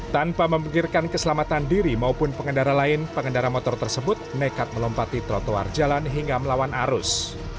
tanpa memikirkan keselamatan diri maupun pengendara lain pengendara motor tersebut nekat melompati trotoar jalan hingga melawan arus